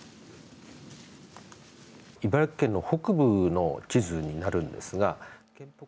茨城県の北部の地図になるんですが。